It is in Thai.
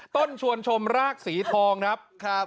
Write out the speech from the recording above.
ต้นชวนชมรากสีทองนะครับครับ